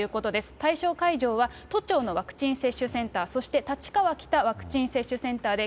対象会場は、都庁のワクチン接種センター、そして立川北ワクチン接種センターです。